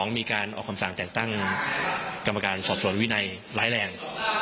มีการออกคำสั่งแต่งตั้งกรรมการสอบสวนวินัยร้ายแรง